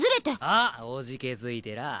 あっおじけづいてらぁ。